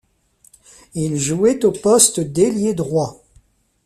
Il jouait au poste d'ailier droit.